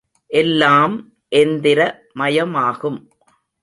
எல்லாம் எந்திர மயமாகும்.